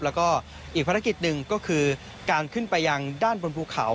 แล้วก็อีกภารกิจหนึ่งก็คือการขึ้นไปยังด้านบนภูเขา